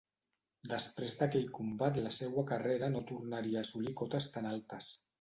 Després d'aquell combat la seua carrera no tornaria a assolir cotes tan altes.